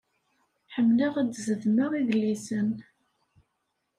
Ḥemmleɣ ad d-zedmeɣ idlisen.